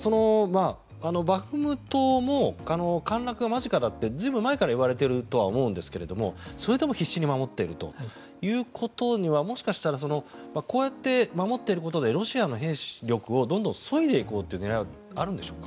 バフムトも陥落が間近だって随分前からいわれているとは思うんですがそれでも必死に守っているということにはもしかしたら、こうやって守っていることでロシアの兵力をどんどんそいでいこうという狙いはあるんでしょうか。